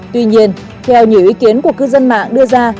tuy nhiên theo nhiều ý kiến của cư dân mạng đưa ra